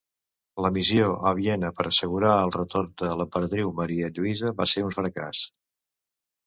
La missió a Viena per assegurar el retorn de l'emperadriu Maria Lluïsa va ser un fracàs.